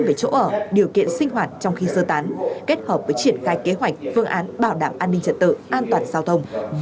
về chỗ ở điều kiện sinh hoạt trong khi sơ tán kết hợp với triển khai kế hoạch phương án bảo đảm an ninh trật tự an toàn giao thông